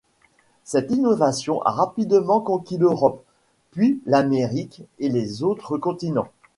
Cette innovation a rapidement conquis l'Europe, puis l'Amérique et les autres continents.